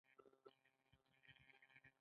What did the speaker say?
د غنمو بیه په بازار کې مهمه ده.